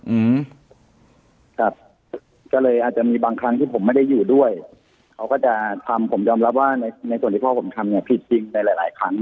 อืมครับก็เลยอาจจะมีบางครั้งที่ผมไม่ได้อยู่ด้วยเขาก็จะทำผมยอมรับว่าในในส่วนที่พ่อผมทำเนี่ยผิดจริงในหลายหลายครั้ง